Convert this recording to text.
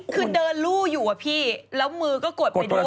คือเดินลู่อยู่อะพี่แล้วมือก็กดไปด้วย